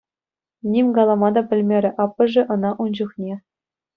Ним калама та пӗлмерӗ аппӑшӗ ӑна ун чухне.